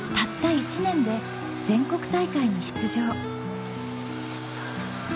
１年で全国大会に出場